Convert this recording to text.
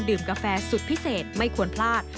กาแฟสุดพิเศษไม่ควรพลาด